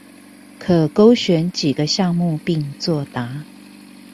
可勾選幾個項目並作答